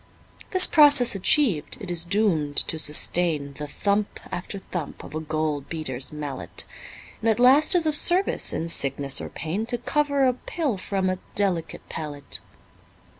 This process achiev'd, it is doom'd to sustain The thump after thump of a gold beater's mallet, And at last is of service in sickness or pain To cover a pill from a delicate palate.